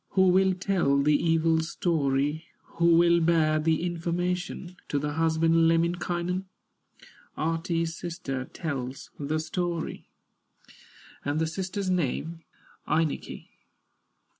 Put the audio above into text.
Who will tell the evil story, Who will bear the information To the husband, Lemminkainen? Ahti's sister tells the story, And the sister's name, Ainikki.